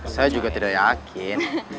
saya juga tidak yakin